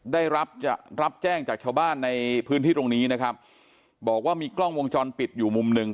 ได้รับจะรับแจ้งจากชาวบ้านในพื้นที่ตรงนี้นะครับบอกว่ามีกล้องวงจรปิดอยู่มุมหนึ่ง